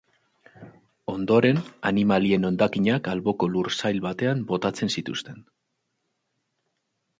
Ondoren, animalien hondakinak alboko lursail batean botatzen zituzten.